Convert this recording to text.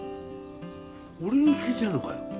俺に聞いてんのかよ。